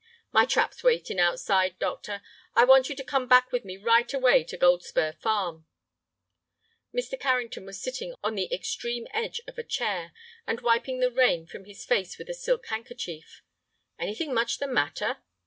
"My trap's waiting outside, doctor. I want you to come back with me right away to Goldspur Farm." Mr. Carrington was sitting on the extreme edge of a chair, and wiping the rain from his face with a silk handkerchief. "Anything much the matter?"